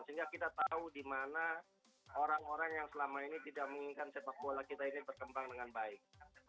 sehingga kita tahu di mana orang orang yang selama ini tidak menginginkan sepak bola kita ini berkembang dengan baik